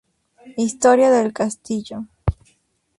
Historia del castillo.